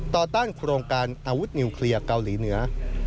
ต้านโครงการอาวุธนิวเคลียร์เกาหลีเหนือ